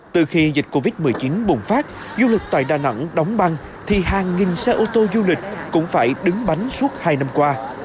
từ khi dịch covid một mươi chín bùng phát du lịch tại đà nẵng đóng băng thì hàng nghìn xe ô tô du lịch cũng phải đứng bánh suốt hai năm qua